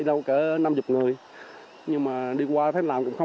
trong đó có các bạn học sinh còn rất nhỏ